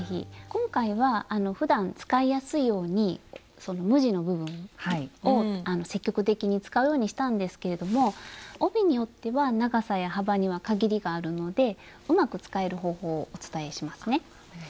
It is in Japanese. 今回はふだん使いやすいように無地の部分を積極的に使うようにしたんですけれども帯によっては長さや幅には限りがあるのでうまく使える方法をお伝えしますね。